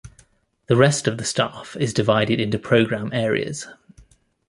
The rest of the staff is divided into program areas.